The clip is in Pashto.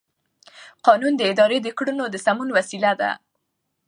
قانون د ادارې د کړنو د سمون وسیله ده.